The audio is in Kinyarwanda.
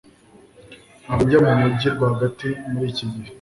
Ntabwo njya mu mujyi rwagati muri iki gihe